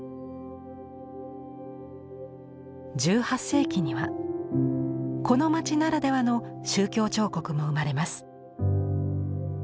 １８世紀にはこの町ならではの宗教彫刻も生まれます。